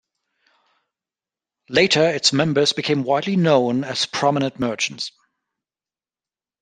Later its members became widely known as prominent merchants.